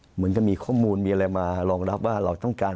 เหมือนจะมีข้อมูลมีอะไรมารองรับว่าเราต้องการ